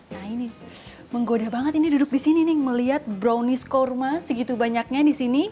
nah ini menggoda banget ini duduk disini melihat brownies kurma segitu banyaknya disini